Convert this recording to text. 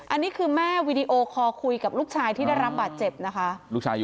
อันนี้คือแม่วีดีโอคอลคุยกับลูกชายที่ได้รับบาดเจ็บนะคะ